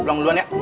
belum duluan ya